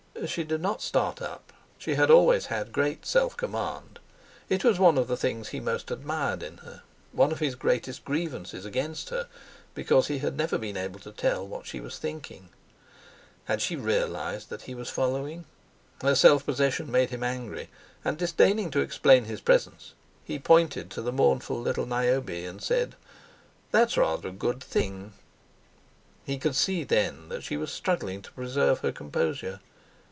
She did not start up. She had always had great self command—it was one of the things he most admired in her, one of his greatest grievances against her, because he had never been able to tell what she was thinking. Had she realised that he was following? Her self possession made him angry; and, disdaining to explain his presence, he pointed to the mournful little Niobe, and said: "That's rather a good thing." He could see, then, that she was struggling to preserve her composure.